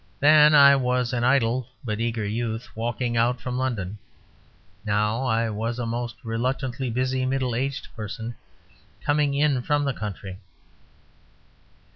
Then I was an idle, but eager youth walking out from London; now I was a most reluctantly busy middle aged person, coming in from the country.